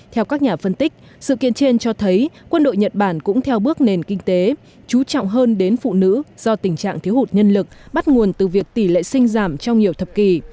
theo các nhà phân tích sự kiện trên cho thấy quân đội nhật bản cũng theo bước nền kinh tế chú trọng hơn đến phụ nữ do tình trạng thiếu hụt nhân lực bắt nguồn từ việc tỷ lệ sinh giảm trong nhiều thập kỷ